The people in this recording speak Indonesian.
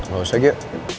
gak usah gio